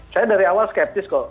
saya dari awal skeptis kok